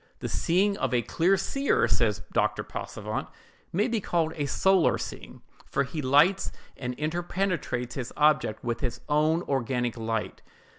"The seeing of a clear seer," says Dr. Passavent, "may be called a solar seeing, for he lights and inter penetrates his object with his own organic light, viz.